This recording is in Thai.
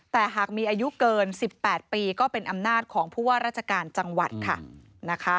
แต่หากมีอายุเกิน๑๘ปีก็เป็นอำนาจของผู้ว่าราชการจังหวัดค่ะ